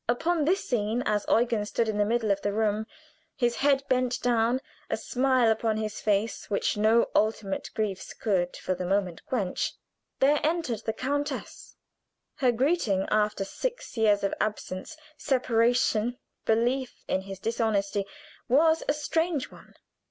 Upon this scene, as Eugen stood in the middle of the room, his head bent down, a smile upon his face which no ultimate griefs could for the moment quench, there entered the countess. Her greeting after six years of absence, separation, belief in his dishonesty, was a strange one.